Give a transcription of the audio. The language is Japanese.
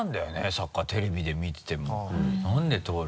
サッカーテレビで見ててもなんで通る。